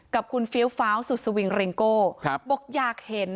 กับคุณเฟียร์ฟาลสุดสวิงเรงโก่ครับบอกอยากเห็น